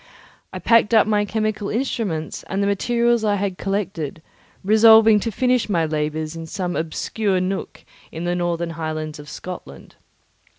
I packed up my chemical instruments and the materials I had collected, resolving to finish my labours in some obscure nook in the northern highlands of Scotland.